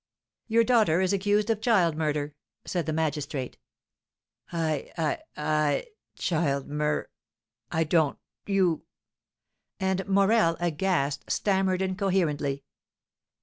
"Your daughter is accused of child murder," said the magistrate. "I I I child mur I don't you " And Morel, aghast, stammered incoherently.